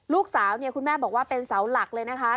ลูกสาวเนี่ยคุณแม่บอกว่าเป็นเสาหลักเลยนะคะ